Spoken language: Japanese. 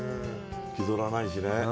気取らないしね。